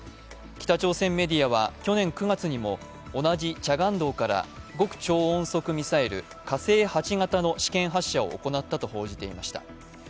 北朝鮮メディアは去年９月にも同じチャガンドウから極超音速ミサイル、火星８型の試験発射を行ったと発表していました。